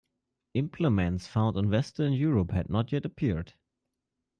Implements found in western Europe had not yet appeared.